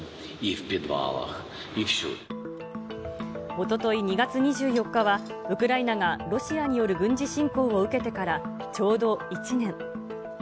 おととい２月２４日は、ウクライナがロシアによる軍事侵攻を受けてからちょうど１年。